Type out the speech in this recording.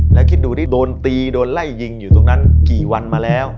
แล้วคิดดูดิโดนตีโดนไล่ยิงอยู่ตรงนั้นกี่วันมาแล้ว